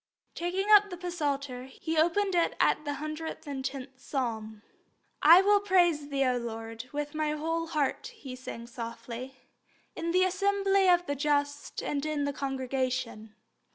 Taking up the Psalter, he opened it at the 110th Psalm. "I will praise Thee, O Lord, with my whole heart," he sang softly, "in the assembly of the just and in the congregation."